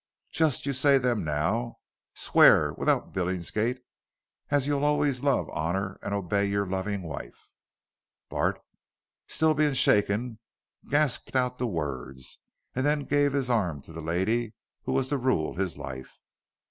Jes' you say them now. Swear, without Billingsgate, as you'll allays love, honor an' obey your lovin' wife." Bart, still being shaken, gasped out the words, and then gave his arm to the lady who was to rule his life.